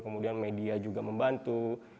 kemudian media juga membantu